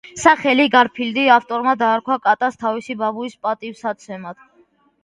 სახელი „გარფილდი“ ავტორმა დაარქვა კატას თავისი ბაბუის პატივსაცემად.